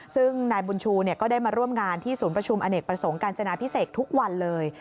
ซึ่งนายบุญชูก็ได้มาร่วมงานที่ศูนย์ประชุมอเนกประสงค์การจนาพิเศษทุกวันเลย